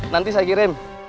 nanti saya kirim